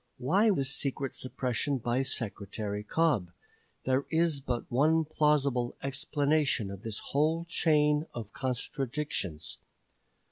Why this secret suppression by Secretary Cobb? There is but one plausible explanation of this whole chain of contradictions.